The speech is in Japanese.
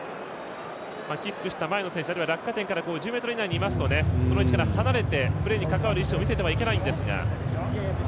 キックした前の選手あるいは落下点から１０ｍ以内にいますとその位置から離れてプレーに関わる意思を見せてはいけないんですが。